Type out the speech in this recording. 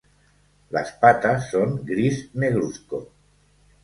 Las patas son gris negruzco.